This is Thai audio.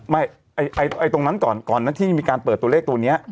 ไม่ไอ้ตรงนั้นก่อนก่อนที่มีการเปิดตัวเลขตัวเนี้ย